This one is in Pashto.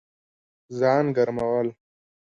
ځان ګرمول